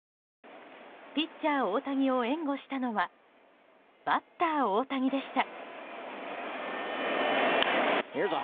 ピッチャー大谷を援護したのはバッター大谷でした。